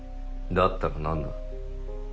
だったら何だ。